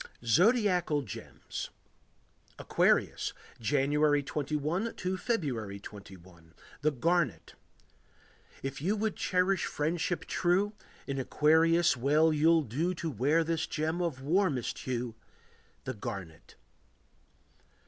ZODIACAL GEMS Aquarius. January 21 to February 21. The Garnet. If you would cherish friendship true, In Aquarius well you'll do To wear this gem of warmest hue— The garnet.